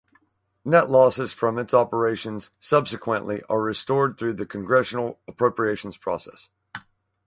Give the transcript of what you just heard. Net losses from its operations subsequently are restored through the congressional appropriations process.